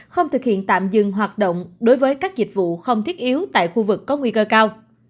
không thực hiện tạm dừng hoạt động đối với các dịch vụ không thiết yếu tại khu vực có nguy cơ cao